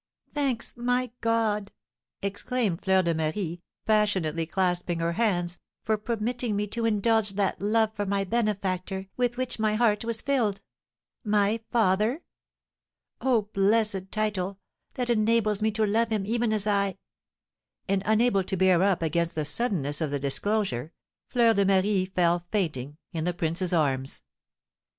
"Thanks, my God," exclaimed Fleur de Marie, passionately clasping her hands, "for permitting me to indulge that love for my benefactor with which my heart was filled. My father! Oh, blessed title, that enables me to love him even as I " And unable to bear up against the suddenness of the disclosure, Fleur de Marie fell fainting in the prince's arms.